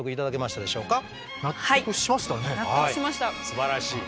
すばらしい。